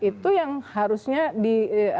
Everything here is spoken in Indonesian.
itu yang harusnya di